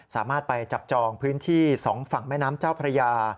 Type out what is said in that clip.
สามารถไปจับจองพื้นที่๒ฝั่งแม่น้ำเจ้าพระยา